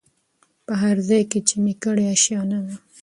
په هرځای کي چي مي کړې آشیانه ده